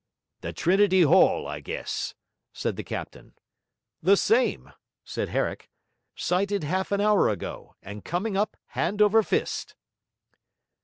'The Trinity Hall, I guess,' said the captain. 'The same,' said Herrick; 'sighted half an hour ago, and coming up hand over fist.'